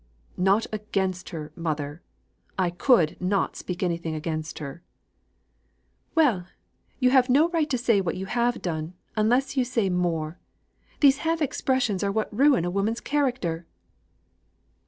"Not against her, mother! I could not speak against her." "Well! you have no right to say what you have done, unless you say more. These half expressions are what ruin a woman's character."